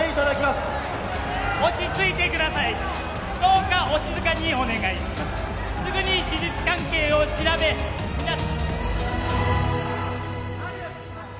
すぐに事実関係を調べ皆様